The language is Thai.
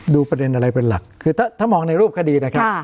ประเด็นอะไรเป็นหลักคือถ้ามองในรูปคดีนะครับ